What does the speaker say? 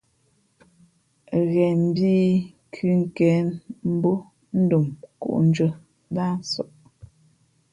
Ghen mbhǐ kʉkěn mbǒ dom nkóndʉ̄ᾱ nā nsαʼ.